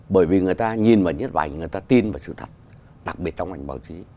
bởi vì người ta nhìn vào nhấp ảnh người ta tin vào sự thật đặc biệt trong ảnh báo chí